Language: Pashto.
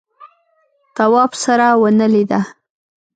تواب سره ونه ولیده.